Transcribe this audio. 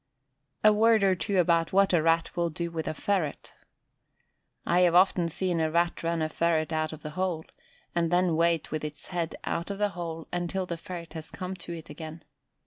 A word or two about what a Rat will do with a ferret. I have often seen a Rat run a ferret out of the hole, and then wait with its head out of the hole until the ferret has come to it again.